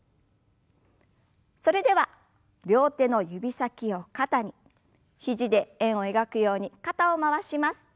それでは両手の指先を肩に肘で円を描くように肩を回します。